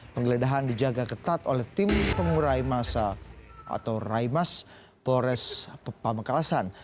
penggeledahan dijaga ketat oleh tim pengurai masa atau raimas polres pamekasan